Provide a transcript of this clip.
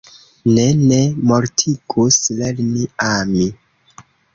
Ne, ne mortigus, lerni ami.